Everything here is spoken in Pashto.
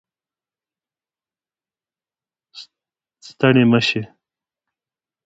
ستړې مه شې